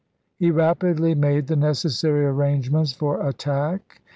He rapidly made the necessary arrangements for attack.